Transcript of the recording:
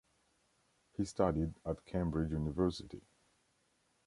He studied at Cambridge University.